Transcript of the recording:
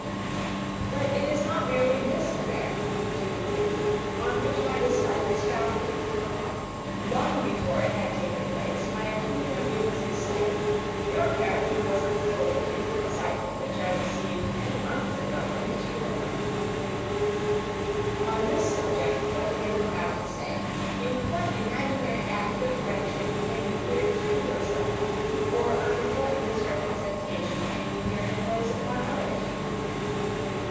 "But it is not merely this affair," she continued, "on which my dislike is founded. Long before it had taken place, my opinion of you was decided. Your character was unfolded in the recital which I received many months ago from Mr. Wickham. On this subject, what can you have to say? In what imaginary act of friendship can you here defend yourself? or under what misrepresentation can you here impose upon others?"